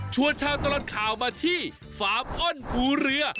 ชาวตลอดข่าวมาที่ฟาร์มอ้อนภูเรือ